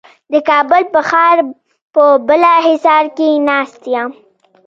د کابل په ښار په بالاحصار کې ناست یم.